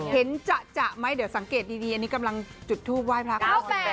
จะไหมเดี๋ยวสังเกตดีอันนี้กำลังจุดทูปไหว้พระ